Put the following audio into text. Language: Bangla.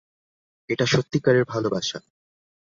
এটা সত্যিকারের ভালোবাসা।